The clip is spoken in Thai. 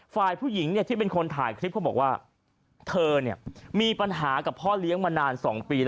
ฝ่ายผู้หญิงที่เป็นคนถ่ายคลิปเขาบอกว่าเธอมีปัญหากับพ่อเลี้ยงมานาน๒ปี